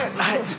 はい。